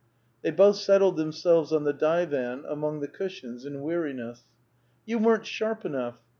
They both settled themselves on the divan among the cushions, in weariness. "You weren't sharp enough!